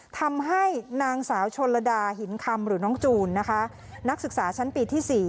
ทำให้นางสาวชนลดาหินคำหรือน้องจูนนะคะนักศึกษาชั้นปีที่๔